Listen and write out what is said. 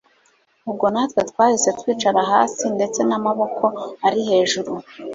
ubwo natwe twahise twicara hasi ndetse namaboko ari hejuru